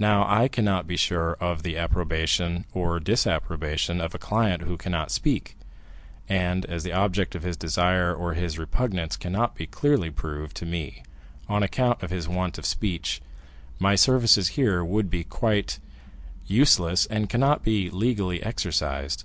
Now I cannot be sure of the approbation or disapprobation of a client who cannot speak, and as the object of his desire or his repugnance cannot be clearly proved to me, on account of his want of speech, my services here would be quite useless, and cannot be legally exercised."